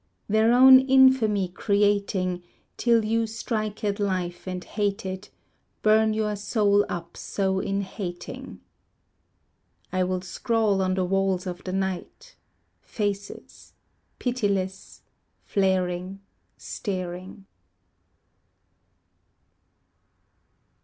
Their own infamy creating, Till you strike at life and hate it, Burn your soul up so in hating. I will scrawl on the walls of the night Faces, Pitiless, Flaring, Staring.